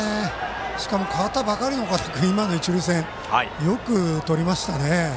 しかも、代わったばかりの岡田君今の一塁線、よく守りましたね。